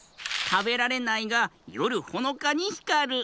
たべられないがよるほのかにひかる。